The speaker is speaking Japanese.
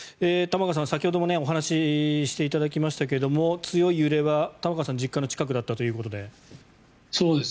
玉川さん、先ほどもお話ししていただきましたが強い揺れは玉川さんの実家の近くだったということで。